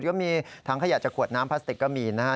ก็มีถังขยะจากขวดน้ำพลาสติกก็มีนะฮะ